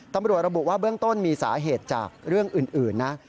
ตำรวจระบุว่าเบื้องต้นมีสาเหตุจากเรื่องอื่นนะ